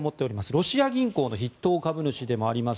ロシア銀行の筆頭株主でもあります